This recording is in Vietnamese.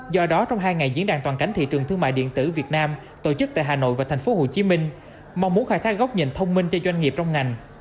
do đó trong hai ngày diễn đàn toàn cảnh thị trường thương mại điện tử việt nam tổ chức tại hà nội và thành phố hồ chí minh mong muốn khai thác góc nhìn thông minh cho doanh nghiệp trong ngành